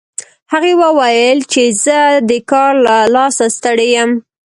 هغې وویل چې زه د کار له لاسه ستړي یم